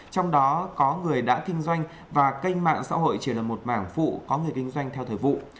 trong đó có người đã kinh doanh và kênh mạng xã hội chỉ là một mảng phụ có người kinh doanh theo thời vụ